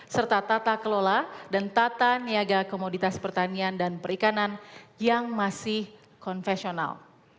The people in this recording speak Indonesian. serta tata kelola dan tata niaga komoditas pertanian dan perikanan yang masih konvensional